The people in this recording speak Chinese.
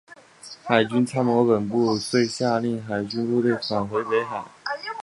海军参谋本部遂下令海军部队返回北海。